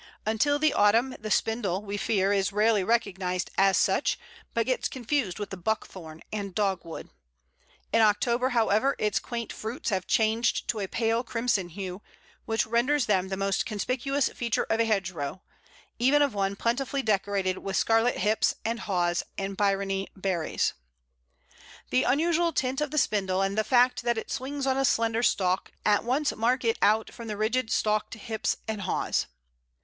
Until the autumn the Spindle, we fear, is rarely recognized as such, but gets confused with Buckthorn and Dogwood. In October, however, its quaint fruits have changed to a pale crimson hue, which renders them the most conspicuous feature of a hedgerow even of one plentifully decorated with scarlet hips and haws and bryony berries. The unusual tint of the Spindle, and the fact that it swings on a slender stalk, at once mark it out from the rigid stalked hips and haws.